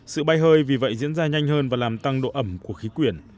sự bay hơi vì vậy diễn ra nhanh hơn và làm tăng độ ẩm của khí quyển